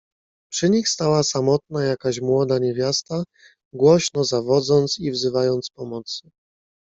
"Przy nich stała samotna jakaś młoda niewiasta, głośno zawodząc i wzywając pomocy."